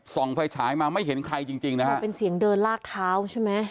ไฟฉายมาไม่เห็นใครจริงจริงนะฮะมันเป็นเสียงเดินลากเท้าใช่ไหม